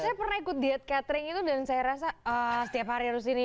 saya pernah ikut diet catering itu dan saya rasa setiap hari harus ini